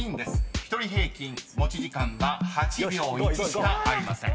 １人平均持ち時間は８秒１しかありません］